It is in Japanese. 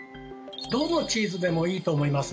どのチーズでもいいと思います